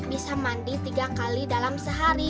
bisa mandi tiga kali dalam sehari